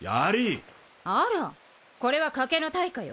あらこれは賭けの対価よ。